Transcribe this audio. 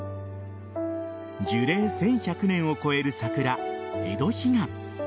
樹齢１１００年を超える桜エドヒガン。